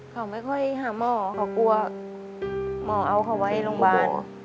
เขาไม่ค่อยหาหมอเขากลัวหมอเอาเขาไว้โรงพยาบาล